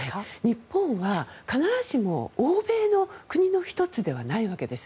日本は必ずしも欧米の国の１つではないわけです。